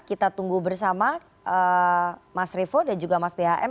kita tunggu bersama mas revo dan juga mas phm